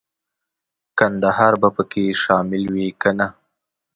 کندهار به پکې شامل وي کنه.